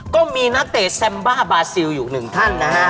ก็มีนักเตะแซมบ้าบาซิลอยู่หนึ่งท่านนะฮะ